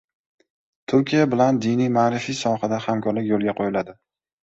Turkiya bilan diniy-ma’rifiy sohada hamkorlik yo‘lga qo‘yiladi